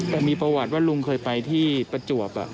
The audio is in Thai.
แต่มีประวัติว่าลุงเคยไปที่ประจวบ